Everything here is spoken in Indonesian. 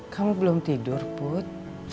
kamu belum tidur put